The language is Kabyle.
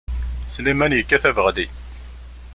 Sliman yekkat abeɣli.